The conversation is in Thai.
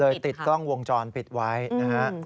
ติดกล้องวงจรปิดไว้นะฮะ